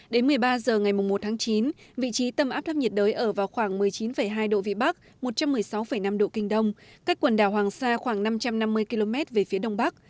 đến một mươi ba h ngày một tháng chín vị trí tâm áp thấp nhiệt đới ở vào khoảng một mươi chín hai độ vĩ bắc một trăm một mươi sáu năm độ kinh đông cách quần đảo hoàng sa khoảng năm trăm năm mươi km về phía đông bắc